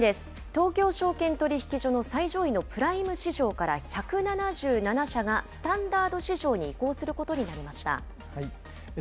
東京証券取引所の最上位のプライム市場から１７７社が、スタンダード市場に移行することになりました。